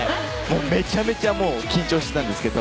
めちゃめちゃ緊張していたんですけど。